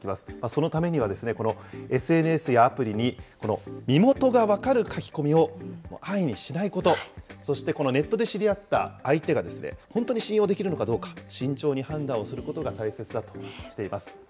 そのためにはこのＳＮＳやアプリに、身元が分かる書き込みを安易にしないこと、そして、このネットで知り合った相手が本当に信用できるのかどうか、慎重に判断をすることが大切だとしています。